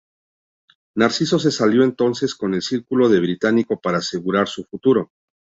Narciso se alió entonces con el círculo de Británico para asegurar su futuro.